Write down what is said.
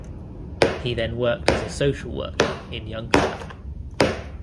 He then worked as a social worker in Youngstown.